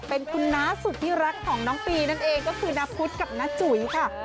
เป็นคุณน้าสุดที่รักของน้องปีนั่นเองก็คือน้าพุธกับน้าจุ๋ยค่ะ